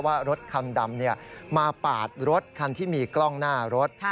ว่ารถคันดำมาปาดรถคันที่มีกล้องหน้ารถ